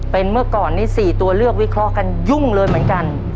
เป็นเมื่อก่อนนี้๔ตัวเลือกวิเคราะห์กันยุ่งเลยเหมือนกัน